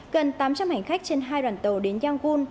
gần tám trăm linh hành khách trên hai đoàn tàu đến yangon